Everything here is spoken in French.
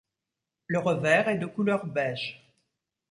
Le revers est de couleur beige.